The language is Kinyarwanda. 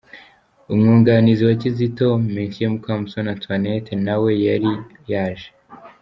Umwunganizi wa Kizito, Me Mukamusoni Antoinette na we yari yaje.